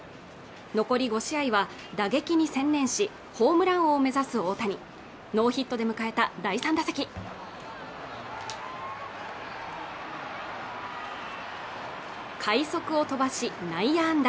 残り５試合は打撃に専念しホームラン王を目指す大谷ノーヒットで迎えた第３打席快速を飛ばし内野安打